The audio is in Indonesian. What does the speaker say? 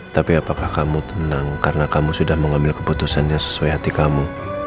tapi apakah kamu tenang karena kamu sudah mengambil keputusannya sesuai hati kamu